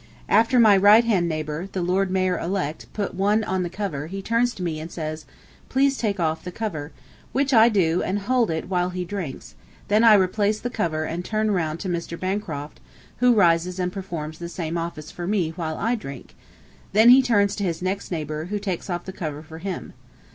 After my right hand neighbor, the Lord Mayor elect, had put on the cover, he turns to me and says, "Please take off the cover," which I do and hold it while he drinks; then I replace the cover and turn round to Mr. Bancroft, who rises and performs the same office for me while I drink; then he turns to his next neighbor, who takes off the cover for him.